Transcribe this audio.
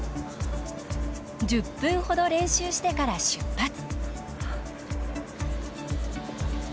１０分ほど練習してから出発。